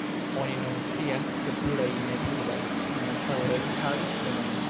Oni nun scias ke pluraj ne-birdaj dinosaŭroj havis plumojn.